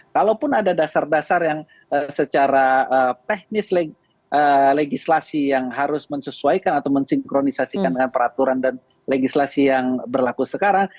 kalaupun ada dasar dasar yang secara teknis legislasi yang harus menyesuaikan atau mensinkronisasikan dengan peraturan dan legislasi yang berlaku sekarang